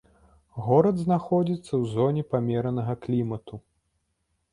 Горад знаходзіцца ў зоне памеранага клімату.